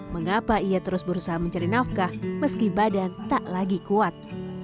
mengapa ia terus berusaha mencari nafkah meski badan tak lagi kuat